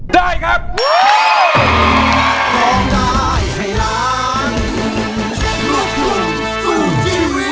ได้ครับ